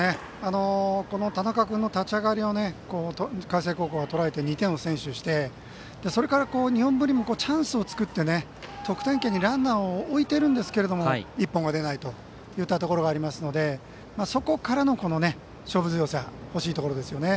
田中君の立ち上がりを海星高校がとらえて２点を先取してそれから日本文理もチャンスを作って得点圏にランナーを置いているんですけれども一本が出ないというところがありますのでそこからの、この勝負強さ欲しいところですよね。